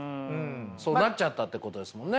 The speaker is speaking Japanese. そうなっちゃったってことですもんね。